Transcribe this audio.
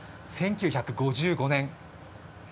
１９５５年。